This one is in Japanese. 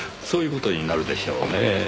そういう事になるでしょうねぇ。